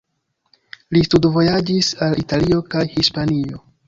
Li studvojaĝis al Italio kaj Hispanio.